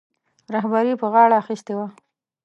رهبري پر غاړه اخیستې وه.